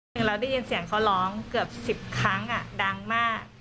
หนึ่งเราได้ยินเสียงเขาร้องเกือบ๑๐ครั้งดังมาก